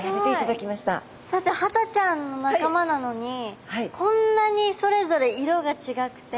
だってハタちゃんの仲間なのにこんなにそれぞれ色が違くて。